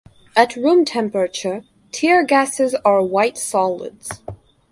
At room temperature, tear gases are white solids.